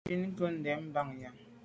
Bin ke nko ndèn banyàm.